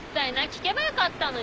聞けばよかったのに。